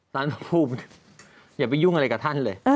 ท่านภูมิอย่าไปยุ่งอะไรกับท่านเลย